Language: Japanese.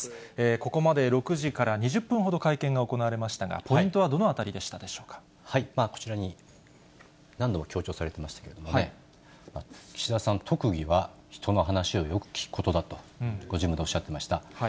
ここまで６時から２０分ほど会見が行われましたが、ポイントはどこちらに何度も強調されてましたけれども、岸田さん、特技は人の話をよく聞くことだと、ご自分でおっしゃってました。